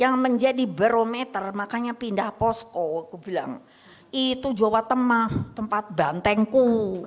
yang menjadi barometer makanya pindah posko aku bilang itu jawa tengah tempat bantengku